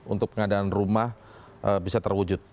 untuk pengadaan rumah bisa terwujud